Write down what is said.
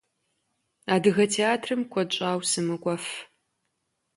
Адыгэ театрым куэд щӏауэ сымыкӏуэф.